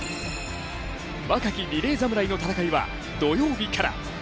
若きリレー侍の戦いは土曜日から。